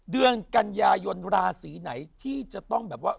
เดือนกันยายนราศีไหนที่จะต้องแบบว่า